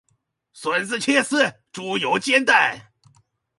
筍子切絲，豬油煎蛋